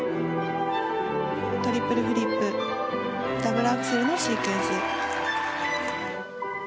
トリプルフリップダブルアクセルのシークエンス。